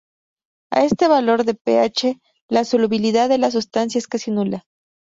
A este valor de pH, la solubilidad de la sustancia es casi nula.